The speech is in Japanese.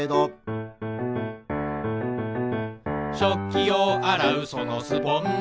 「しょっきをあらうそのスポンジ」